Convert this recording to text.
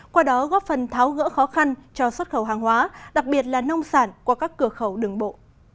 qua đó góp phần tháo gỡ khó khăn cho xuất khẩu hàng hóa đặc biệt là nông sản qua các cửa khẩu đường bộ